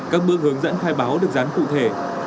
các bước hướng dẫn khai báo được dán cụ thể